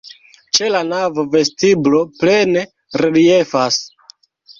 Ĉe la navo vestiblo plene reliefas.